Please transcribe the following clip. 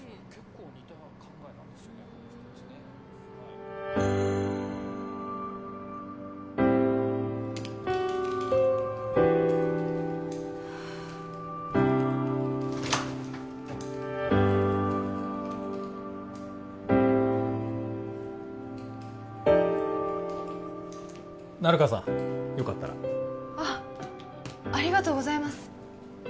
この人達ね成川さんよかったらあっありがとうございます